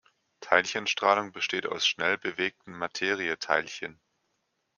Teilchenstrahlung besteht aus schnell bewegten Materieteilchen.